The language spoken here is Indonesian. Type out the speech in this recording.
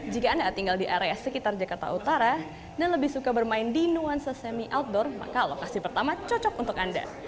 jika anda tinggal di area sekitar jakarta utara dan lebih suka bermain di nuansa semi outdoor maka lokasi pertama cocok untuk anda